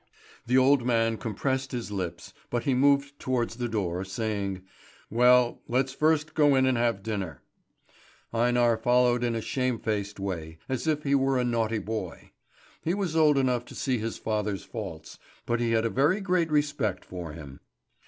The old man compressed his lips, but he moved towards the door, saying: "Well, let's first go in and have dinner." Einar followed in a shamefaced way, as if he were a naughty boy. He was old enough to see his father's faults, but he had a very great respect for him.